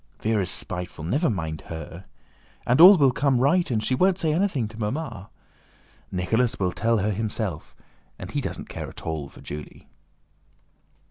"Véra's spiteful; never mind her! And all will come right and she won't say anything to Mamma. Nicholas will tell her himself, and he doesn't care at all for Julie."